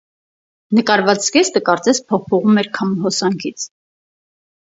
Նկարված զգեստը կարծես փոխփողում էր քամու հոսանքից։